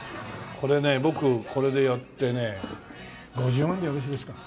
これね僕これでやってね５０万でよろしいですか？